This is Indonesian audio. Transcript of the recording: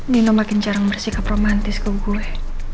nino makin jarang bersikap romantis ke gue